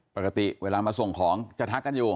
ปกติเวลามาส่งของจะทักกันอยู่